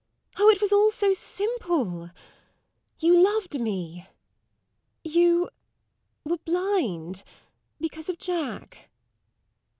Oh, it was all so simple! You loved me you ... were blind because of Jack